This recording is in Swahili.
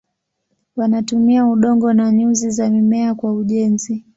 Wanatumia udongo na nyuzi za mimea kwa ujenzi.